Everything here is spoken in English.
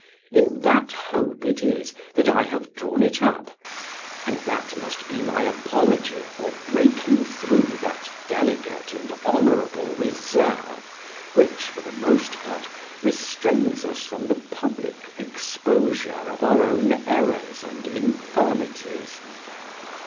In that hope it is that I have drawn it up; and that must be my apology for breaking through that delicate and honourable reserve which, for the most part, restrains us from the public exposure of our own errors and infirmities.